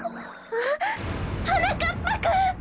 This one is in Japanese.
あっはなかっぱくん！